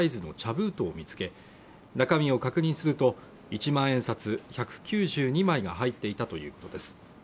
封筒を見つけ中身を確認すると１万円札１９２枚が入っていたということです